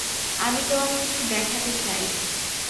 আমি তোমাকে কিছু দেখাতে চায়।